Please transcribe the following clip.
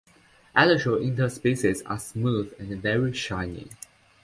Elytral interspaces are smooth and very shiny.